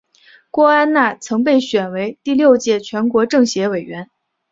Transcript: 郭安娜曾被选为第六届全国政协委员。